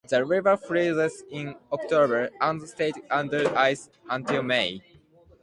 The river freezes in October and stays under ice until May.